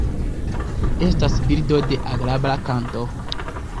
Estas birdo de agrabla kanto.